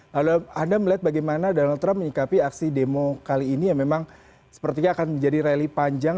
lalu anda melihat bagaimana donald trump menyikapi aksi demo kali ini yang memang sepertinya akan menjadi rally panjang